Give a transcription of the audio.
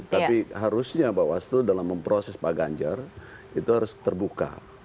tapi harusnya bawaslu dalam memproses pak ganjar itu harus terbuka